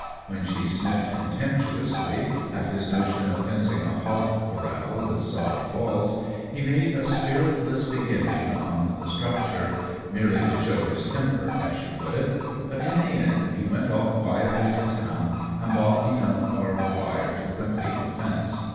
When she sniffed contemptuously at his notion of fencing a hog corral with sod walls, he made a spiritless beginning on the structure merely to "show his temper," as she put it but in the end he went off quietly to town and bought enough barbed wire to complete the fence.